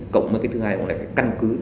cộng với thứ hai là căn cứ